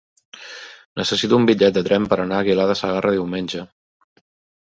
Necessito un bitllet de tren per anar a Aguilar de Segarra diumenge.